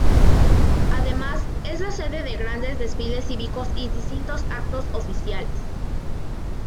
Además, es la sede de grandes desfiles cívicos y distintos actos oficiales.